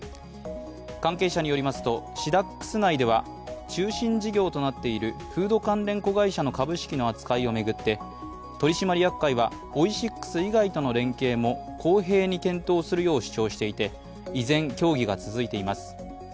関係者によりますと、シダックス内では中心事業となっているフード関連子会社の株式の扱いを巡って取締役会はオイシックス以外との連携も公平に検討するよう主張していて依然、協議が続いています。